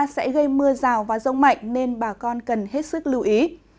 sẽ gây mưa rào và rông mạnh nên bà con cần hết sức lưu ý